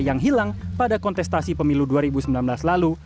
yang hilang pada kontestasi pemilu dua ribu sembilan belas lalu